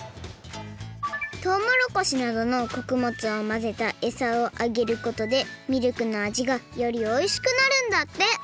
トウモロコシなどのこくもつをまぜたエサをあげることでミルクのあじがよりおいしくなるんだって！